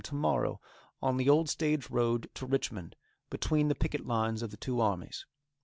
to morrow, on the old stage road to Richmond, between the picket lines of the two armies.